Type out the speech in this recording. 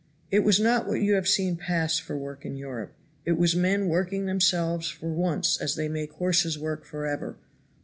It was not what you have seen pass for work in Europe, it was men working themselves for once as they make horses work forever.